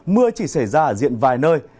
mưa chỉ xảy ra ở diện vài nơi